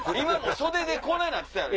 袖でこないなってたやろ？